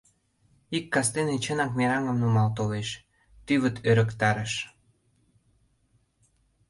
Ик кастен чынак мераҥым нумал толеш, тӱвыт ӧрыктарыш.